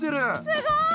すごい！